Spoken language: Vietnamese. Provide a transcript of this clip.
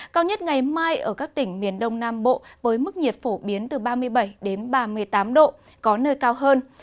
cao nhất ngày mai ở các tỉnh miền đông nam bộ với mức nhiệt phổ biến từ ba mươi bảy ba mươi tám độ có nơi cao hơn